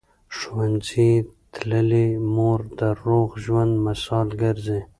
ښوونځې تللې مور د روغ ژوند مثال ګرځي.